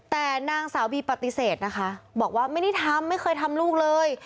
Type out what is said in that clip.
แต่นางสาวบีปฏิเสธนะคะบอกว่าไม่ได้ทำไม่เคยทำลูกเลย